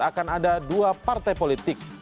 akan ada dua partai politik